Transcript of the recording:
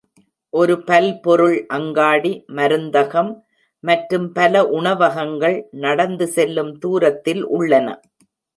ஒரு பல்பொருள் அங்காடி, மருந்தகம் மற்றும் பல உணவகங்கள் நடந்து செல்லும் தூரத்தில் உள்ளன.